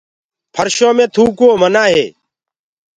ڦرشو مي ٿوڪوو منآ هي۔